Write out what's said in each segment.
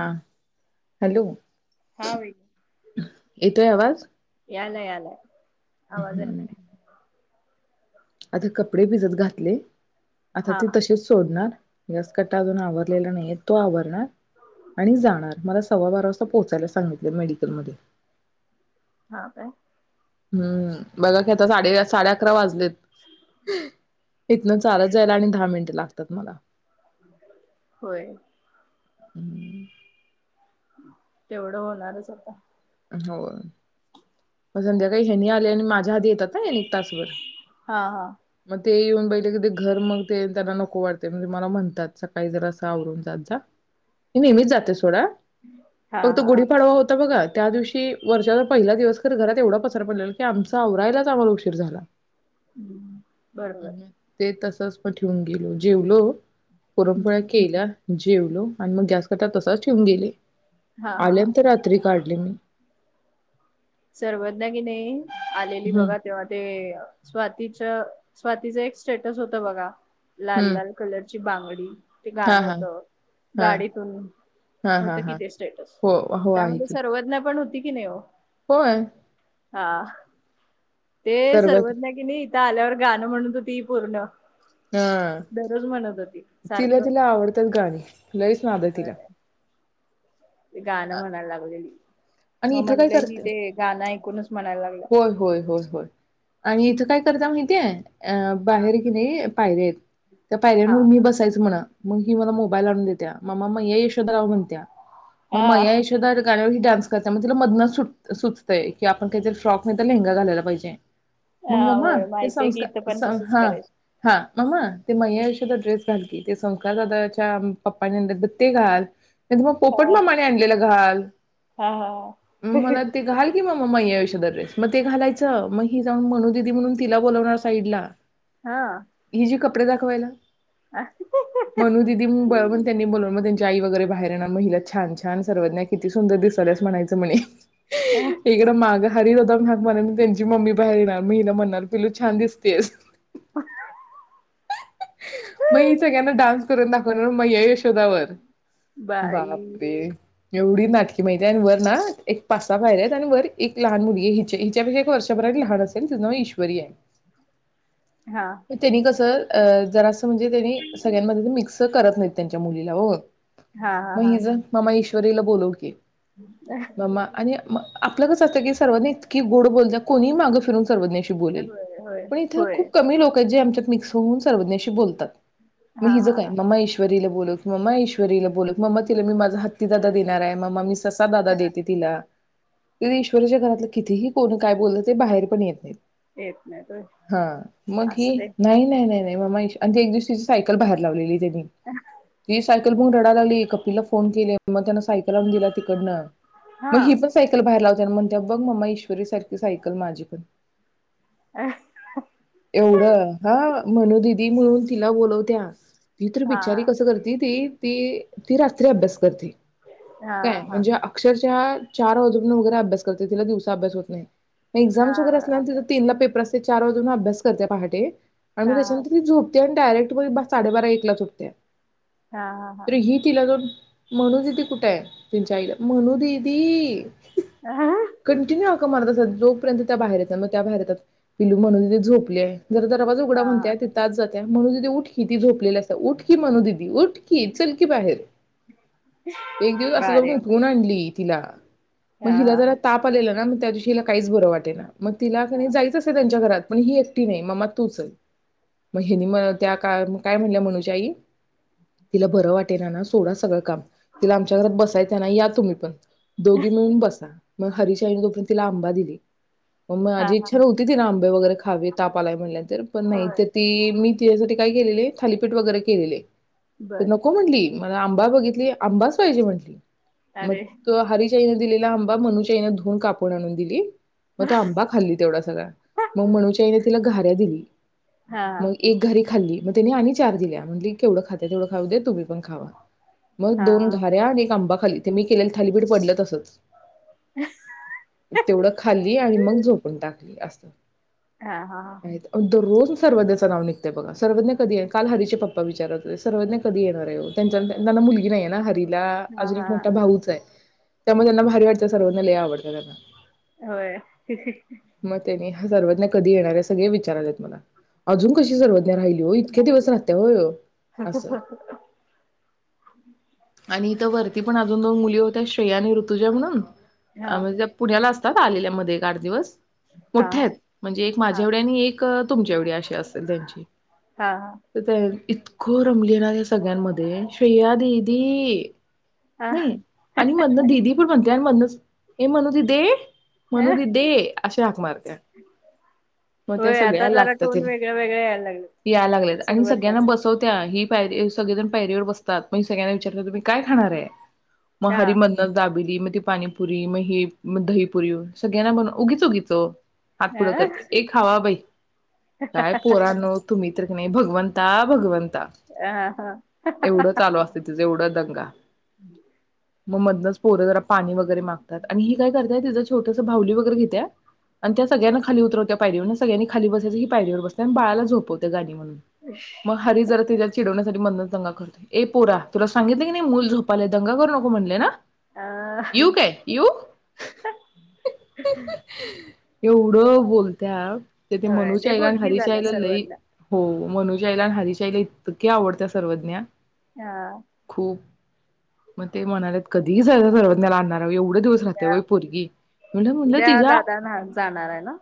हा हॅलो हा बाई येतोय आवाज यालाय यालाय. आवाज यायलाय. आधी कपडे भिजत घातले. आता हा ते तसेच सोडणार. गॅस कट्टा अजून आवरलेला नाही तो आवरणार. आणी जाणार मला सव्वा बारा वाजता पोचायला सांगीतल. त्या मेडिकलमध्ये हा काय? हम्म बघा कि आता साडे अ साडे अकरा वाजलेत. इथन चालत जायला आणी दहा मिनटं लाग भितात मला होय हम्म तेवढं होणारचं आता, होय मग संध्याकाळी ह्यांनी आले आणी माझ्या आधी येतात हा ह्यांनी एक तासभर. हा हा मग ते येऊन बघितलं कि ते घर मग ते त्यांना नको वाटतंय म ते मला म्हणतात सकाळी जरासं आवरून जात जा मी नेहमीच जाते सो सोडा हा फक्त हा गुढीपाडवा होत तर बघा. त्यादिवशी वर्षाचा पाहिला दिवस खर घरात एवढा पसारा पडलेला कि आमचं आवरायलाच आम्हाला उशीर झाला बर बर तसं प ठेवून गेलो जेवलो. पुरणपोळ्या हम्म केल्या. जेवलो आण मग गॅस कट्टा तसाच ठेवून गेले. हा हा हा आल्यानंतर रात्री काढ. हम्म सर्वज्ञा कि नाई आलेली हम्म बघा तेव्हा ते स्वाती... तिचं स्वाती च एक स्टेटस होत बघा... लाल हम्म लाल कलर..... ची बांगडी...... ते हा गाण हा होत हा गाडीतून हा हा होत की हा ते स्टेटस हो हो आहे त्यामध्ये की सर्वज्ञा पण होती. की नाही ओ.... होय हा ते सर्वात सर्वज्ञा की नाही... ईथ आल्यावर गाण म्हणत होती पूर्ण. हा दररोज म्हणत होती तिला सारखं तिला आवडतात गाणी लईच नाद ये तिला. गाण आ म्हणायला लागलेली आणि म इथं काय म्हटलं हि करते ते गाण ऐकून च म्हणायला लागले...... होय होय होय होय. आणि इथे काय करता माहिती ये.... अ हा बाहेर की नाही... पाहिजेत त्या हा पायऱ्यावर मी बसायचं म्हण.... मग ती मोबाईल आणून देतीया मम्मा मैया यशोदा लाव म्हणतीया. म मैंया हा यशोदा गाण्यावर ही.... डान्स करतिया मग तिला मधन च सूट सुचतंय की आपण कायतरी..... टॉप नाही तर लेंहेगा घालायला पाहिजे. म हा मम्मा होय ते माहितीय की इथं संस्कार पण तसच संस्का ह करायच. हा मम्मा. ते मैया यशोदा ड्रेस घाल की ते संस्कार दादा च्या पप्पांनी आणलं ब ते घाल. ते पोपट मामाने आणलेला..... घाल. हा हा मला ते घाल की मम्मा मेंया.... [unintelligible] ड्रेस मग ते घालायचं मग हि जाऊन मनू ददी म्हणून तिला बोलावणार साईड ला...... हा कपडे दाखवायला..... हा मनू दिदी ब म त्यांनी बोलून मग त्यांनी..... आई वगैरे बाहेर येणार म हिला छान छान सर्वज्ञा किती सुंदर दिसायल्यास म्हणायचं म्हणे.. इकडं माग.... हरी ददाम घग म्हणा त्यांची मम्मी बाहेर येणार महिन म्हणणार पिलू छान दिसतेस.... अ ह ह ह ह मग हे सगळ्यांना डान्स करून दाखवत मैय्या यशो शोदावर बाई बापरे एवढी नाटकी माहितीये आणि वर ना एक पाच सहा पायऱ्या आहेत आणि वर एक लहान मुलगीये हिच्या हिच्यापेक्षा एक वर्षभराात लहान असेल तिज नाव ईश्वरी आहे हा म त्येनी कसं अ जरासं म्हणजे त्यांनी सगळ्यांमध्ये मिक्स करत नाहीत त्यांच्या मुलीला ओ हा हा म हा हिज मम्मा इशू परिला बोलव कि मम्मा आणि अ म आपलं कस असतंय की सर्वज्ञा इतकी गोड बोलतीया कोणीही मागं फिरून सर्वज्ञाशी बोलेल होय होय पण इथे होय खूप कमी लोक आहेत जी आमच्यात मिक्स होवून सर्वज्ञाशी बोलतात म हा हिज हा काय मम्मा ईश्वरीला बोलवं कि मम्मा ईश्वरीला बोलवं मम्मा तिला मी माझा हत्ती दादा देणारयं मम्मा मी स ससा दादा हा देते तिला तिला ईश्वरीच्या घरातलं कितीही कोण काय बोलु दे बाहेर पण येत नाही येत नाहीत होय हा मग हे असते नाही नाही नाही मम्मा ईश आणि ते एक दिवशी तिची सायकल बाहेर लावलेली त्येंनी मी सांगते तिज बघून रडाय लागली कपिलला फोन केले मग त्यान सायकल आणून दिला तिकडनं हा मग ही पण सायकल बाहेर लाव तर म्हणतिया बघ मम्मा ईश्वरीसारखी सायकल माझी पण हा एवढं हा... दीदी म्हणुन तिला बोलवतीया ती तर हा हा बिचारी कस करती ती ती ती रात्री अभ्यास करती हा काय हा म्हणजे अक्षर त्या चार वाजेपर्यंत वगैरे अभ्यास करते तिला दिवसा अभ्यास होत नाही हा एक्झाम्स वगैरे असल्या आण तिजा तीनला पेपर अस ती चार वाजेपर्यंत अभ्यास करतीया पहाटे आणि हा त्याच्यानंतर ही झोप ती आणि डायरेक्ट बो अ साडे बारा एकलाच उठतीया हा हा तर ही तिला जाऊन मनु दीदी कुठंय? तुमच्या आईला म्हणु दीदी आ कंटिनू तुम्हाला कस, जोपर्यंत त्या बाहेर येत नाही म त्या बाहेर येतात पिलू मनु तिथे झोपलीय जरा जरा पुढ हा म्हणत्यात तीत आत जात मनु दीदी उठ किती झोपलेला असत उठ की मनु दीदी उठ की चल की बाहेर एक दिवस बारे [unintelligible] आणली तिला म हा हिला जरा हा ताप आलेला ना त्यादिवशी हिला काहीच बर वाटेना. म तिला कनी, जायच असत त्यांच्या घरात. पण ही एकटी नाही, ममा तू चल. म हिनी मनत त्या काळ काय म्हणल्या मनू ताई तिला बरं वाटेना ना, सोडा सगळ काम तिला आमच्या घरात बसायचं आहे ना या तुम्ही पण. दोघी मिळून बसा मग हरिच्या आईनी उठून तिला आंबा दिली. म हा माझी हा इच्छा नव्हती तिन आंबे वगैरे खावे ताप आलाय म्हणल्यानंतर नाही त होय. ती मी तियासाठी ताई गेलेले थालीपीठ वैगरे केलेले. त बर नको म्हणली! मला आंबा, बघितली आंबाच पाहिजे म्हंटली. मग अरे तो हरीश त्यानी दिलेला आंबा, मनुच्या आईनी धुवून कापून आणून दिली. म हा तो आंबा खाल्ली तेवढा सगळा मग मनु च्या आईनं तिला घाऱ्या दिली. हा मग एक घरी खाल्ली. मग त्यांनी आणि चार दिल्या म्हणली केवढ खाते तेवढ खाऊदे तुम्ही पण खावा. मग दोन, हा घाऱ्या आणि एक आंबा. ते मी केलेल थालीपीठ पडल तसच. तेवढ खाल्ली आणि मग झोपून टाक. ली असत? हा हा! रोज सर्वज्ञाच नाव निघतय बघा, सर्वज्ञा कधी ये काल हरी चे पप्पा विचारत होते सर्वज्ञा कधी येणार आहे ओ? त्यांच त्यानां मुलगी नाहये ना हरीला अजून एक हा मोठा भाऊच आहे. त्यामुळे त्यांना भारी वाटतं सर्वांना लई आवडत त्यात होय ही ही त्यांनी सर्वज्ञ कधी येणारय सगळे विचार [inaudible] अजून कशी सर्वद राहिली होय इतक्या दिवस हा राहत्या होय ओ असल आणि इथ वरती पण अजून दोन मुली होत्या श्रेया आणि ऋतुजा मनून हा मग त्या पुण्याला अस आत्ताच आलेल्या मध्ये एक आठ दिवस हा मोठ्यायेत म्हणजे एक हा माझ्या एवढी आणि एक त तुमच्या एवढी अशी असेेल त्यांची हा तर त्या ईतकं रमलीये ना त्या सगळ्यांमध्ये श्रेया दीदी हा अ नाही अन् मधन दीदी पण मन ते आणि मधनच ये मनू दीदे मनू दीदी अशी हाक मारते मग होय त्यास आता द्या जरा लागतं टोन तिला वेगळ्या वेगळ्या यायला लागले यालागलेत आणि सगळ्यांना सर्वज्ञाच बसवत्या ही पाही ये सगळेजण पायरीवर बसतात मग सगळ्यांना विचारत तुम्ही काय खाणारे? म हा हारी मधनचं दाबेली म ती पाणीपुरी म ही म दहीपुरी सगळ्यांना बन उगीच उगीच ओ हात अ पुढ करते ये खावा बाई काय पोरांनो तुम्ही मी तर कनाय भगवंता भगवन ता हा हा एवढ चालू असतं तिचं एवढ दंगा मग मधनच पोरं जरा पाणी वगैरे मागत्यात आणि हि काय करत्या तिचं छोटस बाहुली वगैरे घेतिया अन् त्या सगळ्यांना खाली उतरवतिया पायरीवरन सगळ्यांनी खाली बसायचं हि पायरीवर बसते अन् बाळाला झोपवते गाणी म्हणून मग हारी जरा तिजा चिडवण्यासाठी मधनच दंगा करतो ये पोरा तुला सांगितलं की नाही मूल झोप मले दंगा करू नको म्हणल्या ना, अ येऊ काय येऊ एवढं बोलत्या. ती होय मनूच्या लय आईला न बोलकी हारीच्या झाल्या आईला लई सर्वज्ञ हो मनूच्या आईला न हारीच्या आईला इतकी आवडते सर्वज्ञा हा खूप हे मनाल्यात कधी सर सर्वज्ञाला आणनार एवढे दिवस राहत्या उद्या होय पोरगी मनल मनल उद्या तिझा दादा ना जाणार आहे ना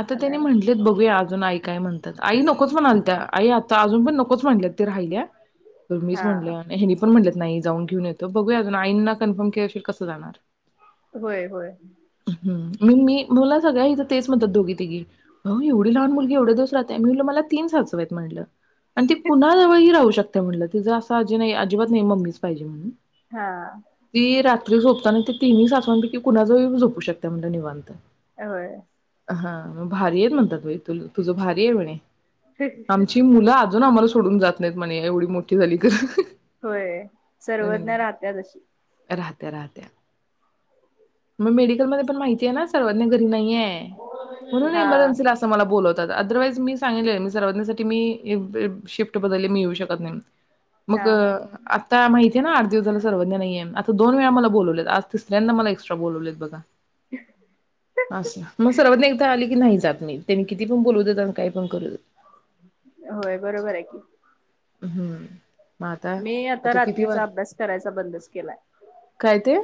आता त्यांनी आणायला म्हन बघूया अजून आई काय म्हणत्यात आई नकोच मनालत्या आई आता अजून पण नकोच म्ंटल्यात ती राहिल्या मम्मीच हा म्हंटल्या हेनी पण म्हंटलेत नाही जावून घेवून येतो बघुया अजून आईंना कन्फर्म केल्याशिवाय कस जाणार? होय होय हं मग मी मला सगळ्या इथ तेच म्हणतात दोघी तिघी अहो एवढी लहान मुलगी एवढे दिवस राहतीया मी म्हटलं मला तीन सासू आहेत म्हटलं आणि ती कुणाजवळ ही राहू शक त्या म्हंटल तीच अस अजी नाही अजिबात नाही मम्मीच पाहिजे म्हणून हां आ जी झोपताना ती तीनही सासवांपैकी कोणाजवळही झोपू शकतिया म्हटल निवांत ए व्हय हां भारीएत अस म्हणतात बाई तूल तुझ भारी आहे म्हणे. आमची मुलं अजून आम्हाला सोडून सोडून जात नाहीत म्हने एवढी मोठी झाली ग हह होय सर्वज्ञा राहतीया तशी. राहत्या राहतिया मग मेडिकल मध्ये पण माहित आहे ना सर्वज्ञा घरी नाही. हे हाय म्हणून हा इमर्जेन्सी मला बोलवतात आदर वाईज मी सांगितले आहे. सर्वज्ञा साठी मी शिफ्ट बदलली मी येवू शकत नाही. हा मग अ आता माहित नाही. ते ना आठ दिवस झाले सर्वज्ञा नाहीय आता दोन वेळा मला बोलवलेत आज तिसऱ्यांदा मला एक आज एक्स्ट्रा बोलवलेत बघा आज सर्वज्ञा म इथ आली. की नाही चालत. नी तेनी कितीपण बोलुदेत अन कायपण करुदेत होय बरोबर आहे की, हम मी आता रात्रीचा अभ्यास करायचा बंदच केलाय. काय ते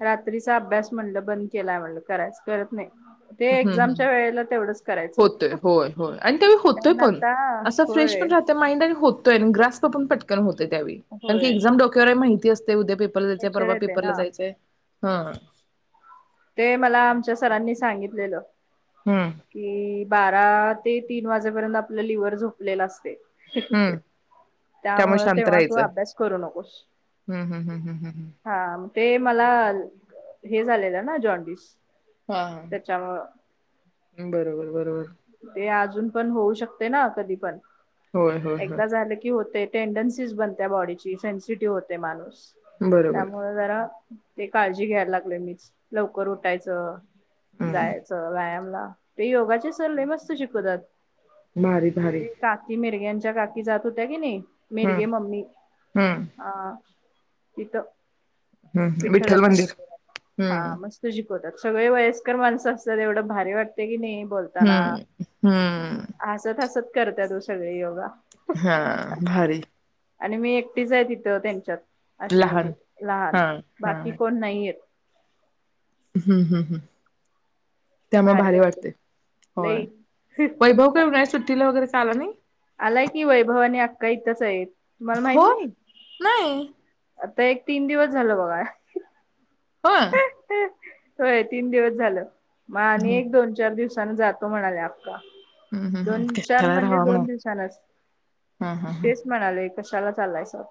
रात्रीचा अभ्यास म्हटलं बंद केलाय म्हणल करायचा करत नाही. ते हु हम् एक्झामच्या वेळेला तेवढंच करायचो होतय होय होय आणि त्यावेळी होतय कारण पण आता अस फ्रेश होय पण राहतय माईंड आणि ग्रास्प उठून पटकन होतय ते त्यावेळी कारण की होय एक्साम डोक्यावर आहे माहित तेच ते उद्या पेपर ला जायचंय लेक्चर परवा येते पेपर ला ना जायचय हां ते मला आमच्या सरांनी सांगितलेलं हं, की बारात ते तीन, वाजेपर्यंत आपल लिव्हर झोपलेल असतय. हं [unintelligible] त्यामुळे त्यामुळ शांत तेव्हा तू राहायचं. अभ्यास करू नकोस हं, हं, हं, हं, हं, हं. हा ते मला हे झालेल ना? जाॅंडीस हां त्याच्यामुळ बरोबर, बरोबर. ते अजून पण होऊ, शकते ना कधीपण. होय, होय, होय. एकदा झाल की होतय टेंडन्सीस, बनत्या बॉडीची सेन्सिटिव्ह होतय माणूस. बरोबर. त्यामुळ जरा ते काळजी घ्यायला लागले मीच लवकर उठायचं हं जायच व्यायामला ते योगाचे सर लय मस्त शिकवतात भारी, भारी. ती काकी मिरग्यांची त्या काकी, जात होत्या की नाई. हं, मिरगे मम्मी हं, आ तिथ हं विठ्ठल मंदिर हा हं [unintelligible] सगळे वयस्कर माणस असतात एवढ भारी वाटाय की नाय हं हं करत्यातच सगळे योगा हां भारी आणि मी एकटीच आहे तिथ त्यांच्यात अशी, म्हणजे लहान. लहान. हां, बाकी कोण नायेत हुं हुं हुं त्यामुळे भारी भाडे वाटत वाढते होय लई वैभव काय उन्हाळ्या सुट्टीला वगैरे [unintelligible] आलाय की वैभव आणि अक्का इथंच आहेत तुम्हाला माहित हो नाही! ते एक तीन दिवस झाल बघा हो व्हय तीन दिवस झाल म आणि एक दोन चार दिवस [unintelligible] जातो म्हणाल्या अक्का हम्म हम्म हम्म दोन चार कशाला म्हणजे राहावा दोन म्हणावं दिवसांच हा हा हा. तेच म्हणाले. कशाला चालायसा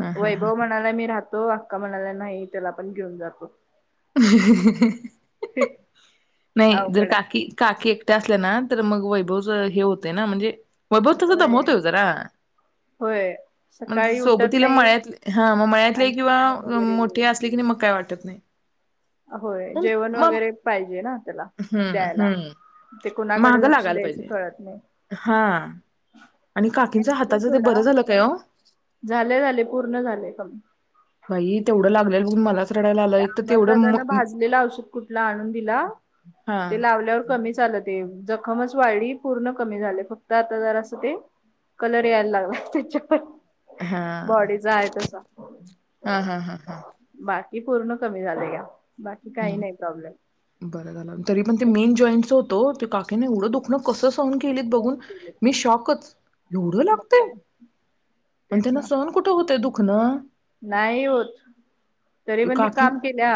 हा हा हा वैभव म्हणालाय मी रात तो आक्का म्हणाल्या नाही त्याला पण घेऊन जा [inaudible] रिकामा ऑडिओ [inaudible] नाही जर अवघड आहे काकी काकी एकट्या असल्या ना नंतर मग वैभव जोय हे होतय ना म्हणजे वैभव तसं होय कमवतोय वो जरा होय मग सकाळी उठत सोबतीला नाही मळयातले हा मग मळयातले आणि जेवण वगैरे मोठे असले की काय वाटतं ठत नाही होय जेवण मग वगैरे पाहिजे ना? [unintelligible] हम्म द्यायला हम्म ते कुणाकडं महाग लक्ष लागायला द्यायचं पाहिजे. कळत नाही. हा आणि ते काकींच असतय हाताचं ते सोडा बरं झालं काय ओ झालंय, झालंय पुर्ण झालंय काम. बाई तेवढं लागलेलं मलाच रडायला आलं एक तर अमर तेवढं दादान मग भाजलेलं औषध कुठलं आणून दिला. हा ते लावल्यावर कमी झालं ते जखमच वाळली पुर्ण कमी झालंय फक्त आता जरासं ते कलर यायला लागलाय त्याच्यावर हा बाॅडी चा आहे तसा हा हा हा हा बाय ते पुर्ण कमी झालंय या नाही प्रॉब्लेम हम्म बर झालं तरी पण ते मेन जाॅइंटच तो काकी न एवढ दुखणं कसं सहन केलीत बघून मी शाॅकच. एवढं मग लागतंय? काय पण तेच त्यांना ना सहन कुठं होत ते दुखणं नाही होत तरी ते पण ती काकी काम केल्या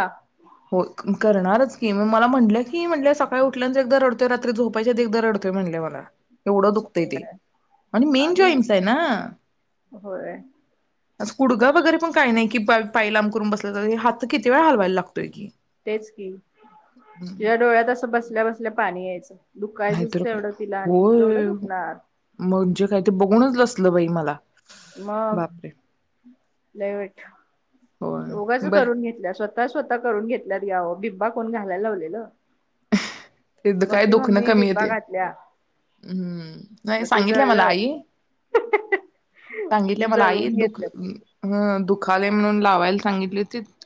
हो करणारच की म मला म्हनलंय की म्हटलं सकाळी उठल्या नंतर एकदम रड तो रात्री झोपायच्या आधी एकदा रडतोय म्हणली मला एवढं दुखतंय होय ते आणि मेन अरे जाॅइंटच आहे ना होय अस कुडघळ वैगरे पण काय नाही की पाय लांब करून बसल तर हात किती वेळा हलवायचं. [unintelligible] तेच की हम्म. तिच्या डोळ्यात असं बसल्या, बसल्या पाणी याय [unintelligible] नाही तर काय होय दुखणार म्हणजे काय ते ब म्हणूनच लसलं बाई मला. मग बापरे लय वाईट. होय उगाज बर करून घेतल्या स्वतः स्वतः करून घेतल्या ती अहो बिब्बा कोन घालाल लावलेल तेज काय दुखन कमी बिब्बा येतेय घातल्या अम्म नाय मग ते सांगीतलय मला जळलं आई सांगीतले मला आई जळवून दुख घेतलं अ दुख खाली म्हणून लावायला सांगीतली होतीत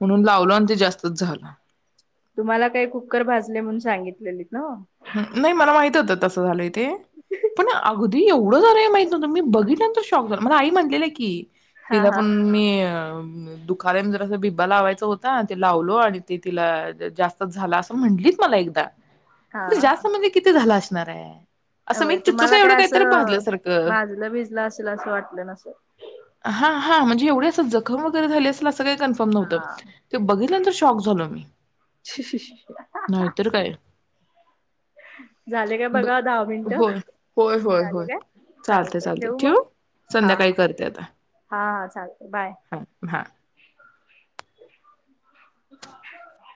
म्हणून लावलो आण ते जास्तीच झाल. तुम्हाला काय कूक्कर भाजले म्हणून सागितलेले नाही मला माहीत होत तस झालय ते पणा हु दि एवढं झालंय हे माहित नव्हत. मी बघितल्या नंतर शॉक झाल मला आई म्हणलेली की हा तील हा पण मी म दुखालंय म्हण जरास बीब्बा लावायचा होता ते लावलो आणि ते तीला जास्तच झाल अस म्हणलीत मला एकदा हा तरी हा. जास्त म्हणजे किती झालास नारे होय तुम्हाला काय अस भाजल भीजल असेल अस वाटल नसल. हा हा म्हणजे एवढ्या सा जखम वगरे झाली असेल असं तसकाही कन्फर्म नव्हत हा ते बघीतल्या नंतर शॉ शॉक झालो मी शी शी शी नाहीतर काय झाले का ब- बघा दहा मिनंट होय होय होय झाले होय काय? चालते चालतय चालते ठेवु मग ठेवू हा संध्याकाळी हा करते आता. हा हा चालतय बाय हां हां [inaudible]